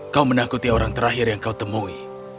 kau menakuti orang terakhir yang kau temui